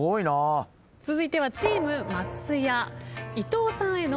続いてはチーム松也伊藤さんへの問題。